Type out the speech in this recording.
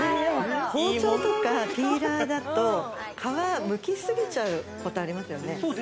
包丁とかピーラーだと皮むきすぎちゃうことありますよね。